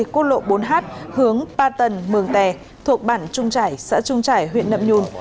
cốt lộ bốn h hướng ba tầng mường tè thuộc bản trung trải xã trung trải huyện nậm nhun